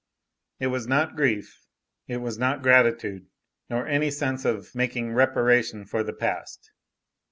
It was not grief, it was not gratitude, nor any sense of making reparation for the past.